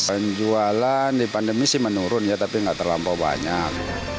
penjualan di pandemi sih menurun ya tapi nggak terlampau banyak